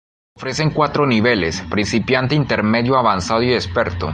Se ofrecen cuatro niveles: principiante, intermedio, avanzado y experto.